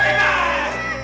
alhamdulillah dimana kak